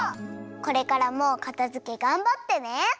これからもかたづけがんばってね。